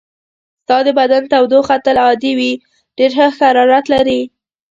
ستا د بدن تودوخه تل عادي وي، ډېر ښه حرارت لرې.